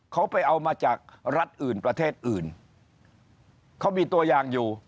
เขาไปเอามาจากรัฐอื่นประเทศอื่นเขามีตัวอย่างอยู่